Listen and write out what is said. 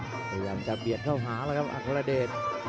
พยายามจะเบียดเข้าหาแล้วครับอัครเดช